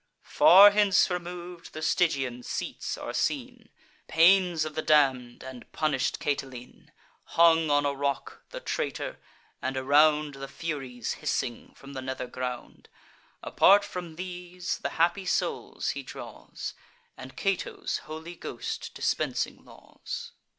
Far hence remov'd, the Stygian seats are seen; Pains of the damn'd, and punish'd Catiline Hung on a rock—the traitor; and, around, The Furies hissing from the nether ground. Apart from these, the happy souls he draws, And Cato's holy ghost dispensing laws.